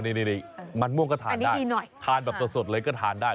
นี่มันม่วงก็ทานได้ทานแบบสดเลยก็ทานได้